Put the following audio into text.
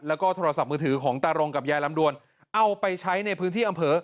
แล้วก็โทรศัพท์มือถือของตารงกับยายลำดวนเอาไปใช้ในพื้นที่อำเภอ